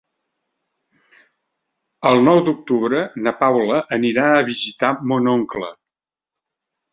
El nou d'octubre na Paula anirà a visitar mon oncle.